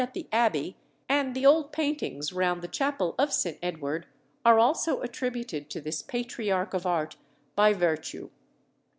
at the Abbey, and the old paintings round the chapel of St. Edward are also attributed to this patriarch of art by Vertue.